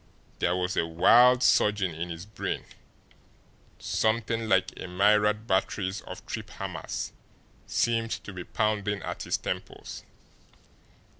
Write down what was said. There was a wild surging in his brain, something like a myriad batteries of trip hammers seemed to be pounding at his temples.